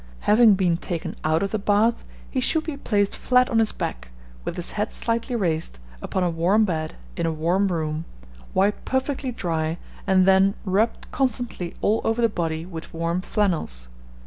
Having been taken out of the bath, he should be placed flat on his back, with his head slightly raised, upon a warm bed in a warm room, wiped perfectly dry, and then rubbed constantly all over the body with warm flannels.